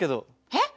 えっ！